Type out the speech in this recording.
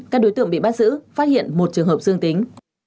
các đối tượng bị bắt giữ phát hiện một trường hợp dương tính